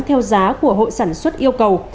theo giá của hội sản xuất yêu cầu